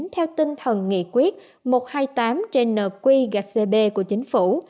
theo tinh thần nghị quyết một trăm hai mươi tám trên nợ quy gạch cb của chính phủ